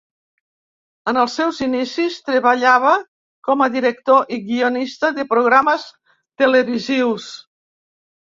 En els seus inicis, treballava com a director i guionista de programes televisius.